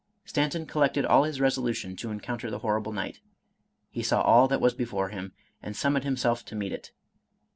Stanton collected all his resolution to encounter the hor rible night ; he saw all that was before him, and summoned himself to meet it.